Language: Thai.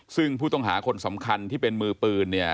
ซึ่งผู้ต้องหาคนสำคัญที่เป็นมือปืนเนี่ย